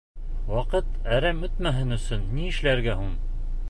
Ваҡыт әрәм үтмәһен өсөн ни эшләргә һуң?